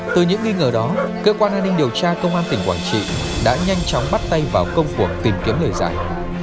từ những nghi ngờ đó cơ quan an ninh điều tra công an tỉnh quảng trị đã nhanh chóng bắt tay vào công cuộc tìm kiếm lời giải